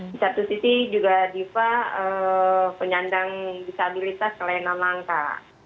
di satu sisi juga diva penyandang disabilitas pelayanan langka